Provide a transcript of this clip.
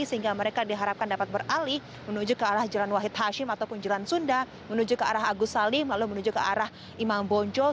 sehingga mereka diharapkan dapat beralih menuju ke arah jalan wahid hashim ataupun jalan sunda menuju ke arah agus salim lalu menuju ke arah imam bonjol